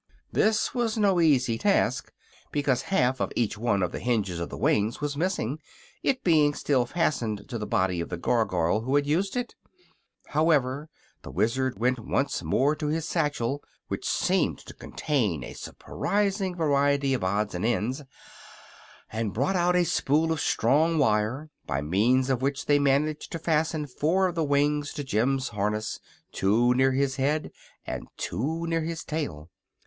This was no easy task, because half of each one of the hinges of the wings was missing, it being still fastened to the body of the Gargoyle who had used it. However, the Wizard went once more to his satchel which seemed to contain a surprising variety of odds and ends and brought out a spool of strong wire, by means of which they managed to fasten four of the wings to Jim's harness, two near his head and two near his tail.